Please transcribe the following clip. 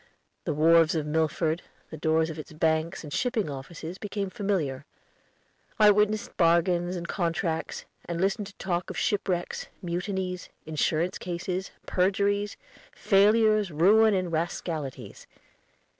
The wharves of Milford, the doors of its banks and shipping offices, became familiar. I witnessed bargains and contracts, and listened to talk of shipwrecks, mutinies, insurance cases, perjuries, failures, ruin, and rascalities.